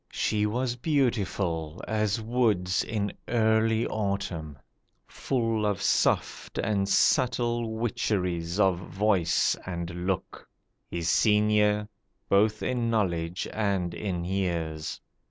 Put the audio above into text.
She was beautiful As woods in early autumn. Full of soft And subtle witcheries of voice and look— His senior, both in knowledge and in years.